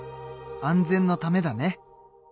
安全のためだね。